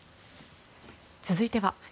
続いては。